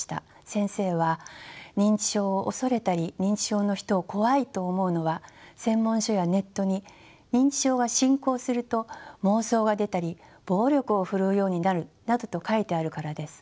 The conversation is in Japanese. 先生は認知症を恐れたり認知症の人を怖いと思うのは専門書やネットに認知症が進行すると妄想が出たり暴力を振るうようになるなどと書いてあるからです。